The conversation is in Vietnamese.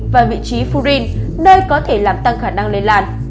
và vị trí furin nơi có thể làm tăng khả năng lây lan